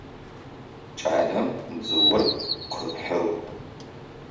Кӏалэм дзыор къыхьыгъ.